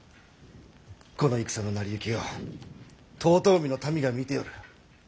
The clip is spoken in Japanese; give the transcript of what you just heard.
この戦の成り行きを遠江の民が見ておる。